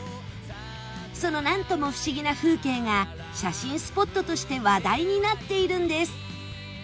そのなんとも不思議な風景が写真スポットとして話題になっているんです